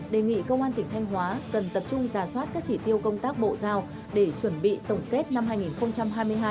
đề nghị công an tỉnh thanh hóa cần tập trung giả soát các chỉ tiêu công tác bộ giao để chuẩn bị tổng kết năm hai nghìn hai mươi hai